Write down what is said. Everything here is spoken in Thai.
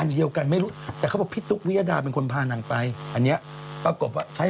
อันเดียวกันไม่รู้แต่เขาบอกพี่ตุ๊กวิริญญาณวิทยาดาเป็นคนพานังไป